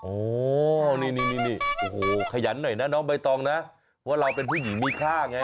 โอ้นี่นี่โอ้โหขยันหน่อยนะน้องใบตองนะว่าเราเป็นผู้หญิงมีค่าไง